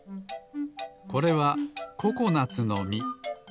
これはココナツのみ。